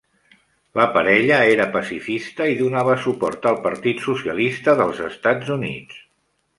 La parella era pacifista i donava suport al Partit Socialista dels Estats Units.